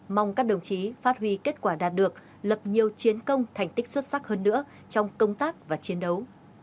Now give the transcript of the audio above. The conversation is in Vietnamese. mong các đồng chí phát huy kết quả đạt được lập nhiều chiến công thành tích xuất sắc hơn nữa trong công tác và chiến đấu